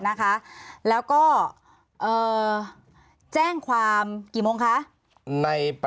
นะคะแล้วก็แจ้งความกี่โมงคะ